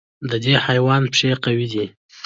د دې حیوان پښې قوي دي.